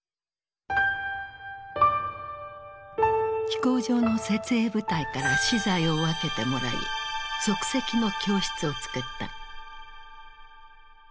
飛行場の設営部隊から資材を分けてもらい即席の教室を作った。